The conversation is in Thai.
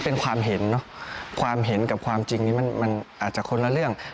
เป็นความเห็นเนอะความเห็นกับความจริงนี้มันอาจจะคนละเรื่อง